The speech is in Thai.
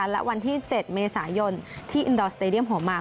และวันที่๗เมษายนที่อินดอร์สเตดียมหัวมาก